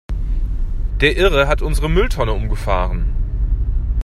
Der Irre hat unsere Mülltonne umgefahren!